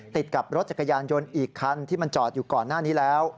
ติดกับรถจักรยานยนต์อีกคันที่มันจอดอยู่ก่อนหน้านี้แล้ว